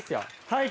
はい。